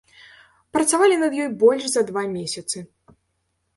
Працавалі над ёй больш за два месяцы.